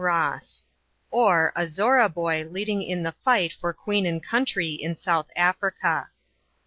ROSS; OR, A ZORRA BOY LEADING IN THE FIGHT FOR QUEEN AND COUNTRY IN SOUTH AFRICA.